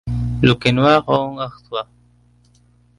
Le Quesnoy-en-Artois